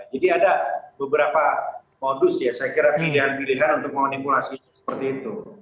jadi ada beberapa modus ya saya kira pilihan pilihan untuk memanipulasi seperti itu